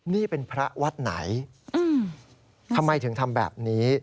นี่เป็นพระวัดไหนทำไมถึงทำแบบนี้